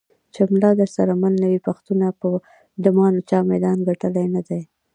چې ملا درسره مل نه وي پښتونه په ډمانو چا میدان ګټلی نه دی.